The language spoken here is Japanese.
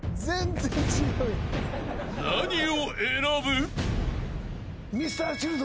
［何を選ぶ？］